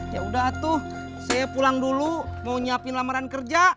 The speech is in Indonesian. yaudah tuh saya pulang dulu mau nyiapin lamaran kerja